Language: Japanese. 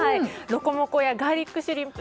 ロコモコやガーリックシュリンプ